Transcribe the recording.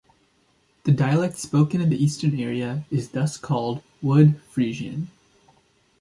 The dialect spoken in the eastern area is thus called Wood Frisian.